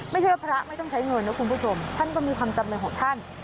ไม่ใช่ว่าพระไม่ต้องใช้เงินนะคุณผู้ชมท่านก็มีความจำเลยของท่าน